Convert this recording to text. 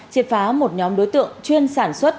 triệt phá một nhóm đối tượng chuyên sản xuất